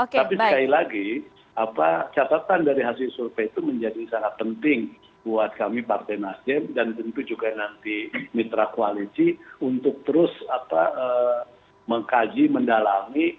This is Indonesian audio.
tapi sekali lagi catatan dari hasil survei itu menjadi sangat penting buat kami partai nasdem dan tentu juga nanti mitra koalisi untuk terus mengkaji mendalami